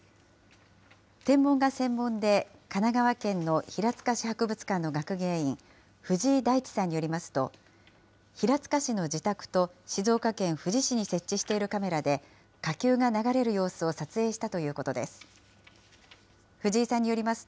天文が専門で、神奈川県の平塚市博物館の学芸員、藤井大地さんによりますと、平塚市の自宅と静岡県富士市に設置しているカメラで、火球が流れる様子を撮影したということです。